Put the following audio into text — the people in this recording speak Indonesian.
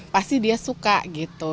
pasti dia suka gitu